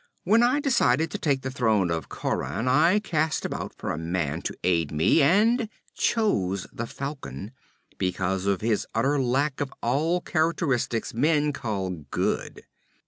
When I decided to take the throne of Khauran, I cast about for a man to aid me, and chose the Falcon, because of his utter lack of all characteristics men call good.'